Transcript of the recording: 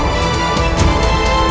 aku ingin menangkapmu